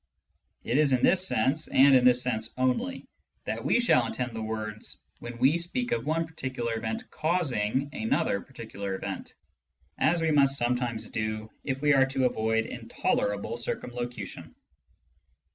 It is in this sense, and in this sense only, that we shall intend the words when we speak of one particular event " causing " another particular event, as we must sometimes do if we are to avoid intolerable circumlocution.